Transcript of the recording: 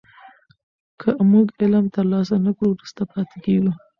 که موږ علم ترلاسه نه کړو وروسته پاتې کېږو.